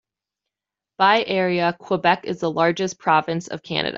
By area, Quebec is the largest province of Canada.